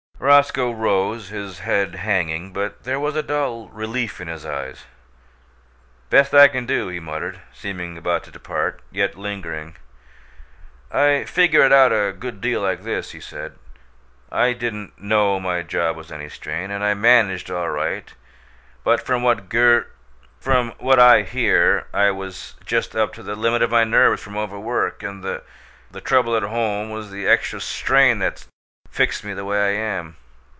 Roscoe rose, his head hanging, but there was a dull relief in his eyes. "Best I can do," he muttered, seeming about to depart, yet lingering. "I figure it out a good deal like this," he said. "I didn't KNOW my job was any strain, and I managed all right, but from what Gur from what I hear, I was just up to the limit of my nerves from overwork, and the the trouble at home was the extra strain that's fixed me the way I am.